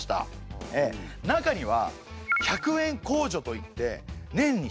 中には１００円工女といって年に